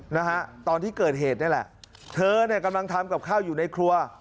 นะฮะตอนที่เกิดเหตุนี่แหละเธอเนี่ยกำลังทำกับข้าวอยู่ในครัว